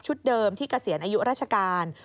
เดิมที่เกษียณอายุราชการ